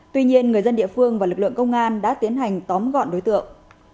tuy nhiên người dân địa phương và lực lượng công an đã tiến hành tóm gọn đối tượng